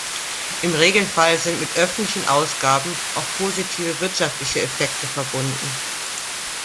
Im Regelfall sind mit öffentlichen Ausgaben auch positive wirtschaftliche Effekte verbunden.